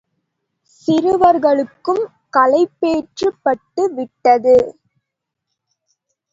சிறுவர்களுக்கும் களைப்பேற்பட்டு விட்டது.